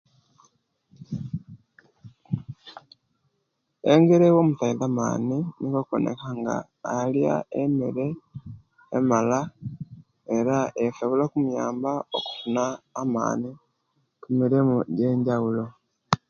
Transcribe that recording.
Emere ewa omusaiza amani nikwo okuwona nga alya emere emala era esobola okumuyamba okufuna amani mungeri yenjaulo